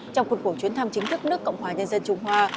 trong khuôn cổ chuyến thăm chính thức nước cộng hòa nhân dân trung hoa